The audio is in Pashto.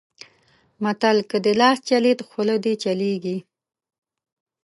متل؛ که دې لاس چلېد؛ خوله دې چلېږي.